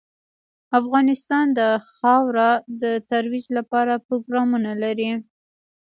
افغانستان د خاوره د ترویج لپاره پروګرامونه لري.